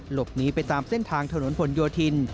หลบหนีไปตามเส้นทางถนนผลโยธิน